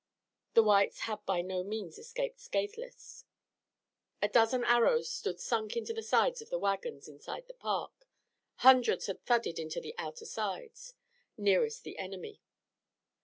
The whites had by no means escaped scathless. A dozen arrows stood sunk into the sides of the wagons inside the park, hundreds had thudded into the outer sides, nearest the enemy.